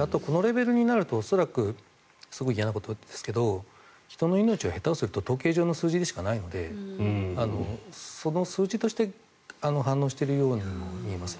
あと、このレベルになると恐らく、すごく嫌なことですけど人の命は下手をすると統計上の数字でしかないのでその数字として反応しているようにも見えます。